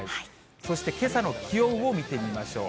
そして、けさの気温を見てみましょう。